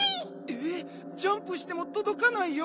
えっジャンプしてもとどかないよ。